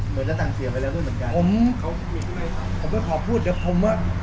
เหมือนจะสั่งเสียงไปแล้วด้วยเหมือนกันผมเขาผมก็ขอพูดเดี๋ยวผมอ่ะ